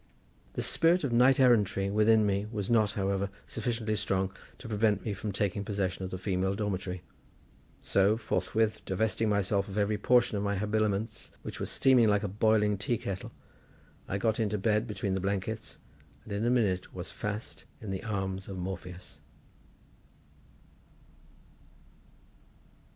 The spirit of knight errantry within me was not, however, sufficiently strong to prevent me from taking possession of the female dormitory; so, forthwith divesting myself of every portion of my habiliments, which were steaming like a boiling tea kettle, I got into bed between the blankets, and in a minute was fast in the arms of Morpheus.